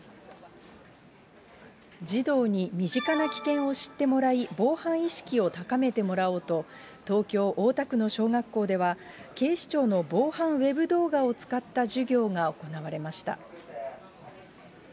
児童に身近な危険を知ってもらい、防犯意識を高めてもらおうと、東京・大田区の小学校では、警視庁の防犯ウェブ動画を使った授業が行われました。